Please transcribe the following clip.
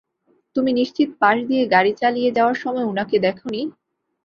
তুমি নিশ্চিত পাশ দিয়ে গাড়ি চালিয়ে যাওয়ার সময় উনাকে দেখোনি?